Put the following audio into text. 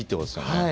はい。